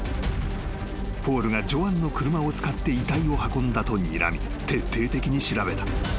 ［ポールがジョアンの車を使って遺体を運んだとにらみ徹底的に調べた。